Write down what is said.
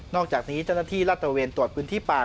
อกจากนี้เจ้าหน้าที่ลาดตระเวนตรวจพื้นที่ป่า